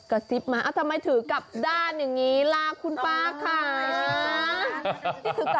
ซิบมาทำไมถือกลับด้านอย่างนี้ล่ะคุณป้าขาย